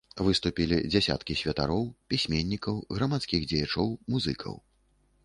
Выступілі дзясяткі святароў, пісьменнікаў, грамадскіх дзеячоў, музыкаў.